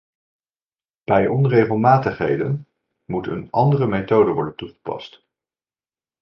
Bij onregelmatigheden moet een andere methode worden toegepast.